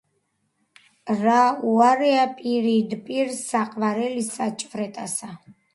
რა უარეა პირიდ- პირ საყვარელისა ჭვრეტასა!